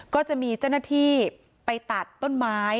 ก็จะมีเจ้าหน้าที่ไปตัดต้นไม้